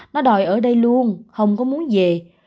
nó đòi ở đây luôn không có muốn về